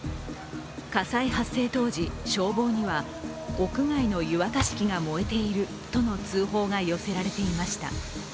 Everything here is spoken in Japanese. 火災発生当時、消防には屋外の湯沸かし器が燃えているとの通報が寄せられていました。